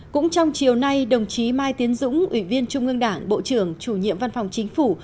cũng trong chiều nay đồng chí mai tiến dũng ủy viên trung ương đảng bộ trưởng chủ nhiệm văn phòng chính phủ